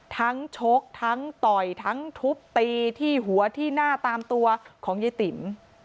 ชกทั้งต่อยทั้งทุบตีที่หัวที่หน้าตามตัวของยายติ๋ม